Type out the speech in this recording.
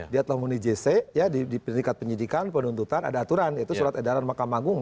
diadil oleh jc di peringkat penyidikan penuntutan ada aturan yaitu surat edaran makamanggung empat dua ribu sebelas